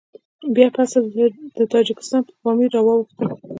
بيا پسته د تاجکستان په پامير راواوښتم.